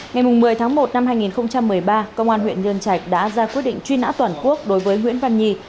ngày một mươi tháng một năm hai nghìn một mươi ba công an huyện nhân trạch đã ra quyết định truy nã toàn quốc đối với nguyễn văn nhi